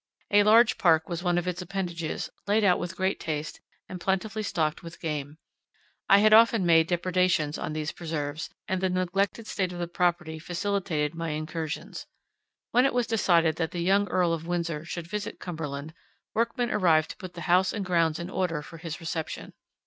A large park was one of its appendages, laid out with great taste, and plentifully stocked with game. I had often made depredations on these preserves; and the neglected state of the property facilitated my incursions. When it was decided that the young Earl of Windsor should visit Cumberland, workmen arrived to put the house and grounds in order for his reception.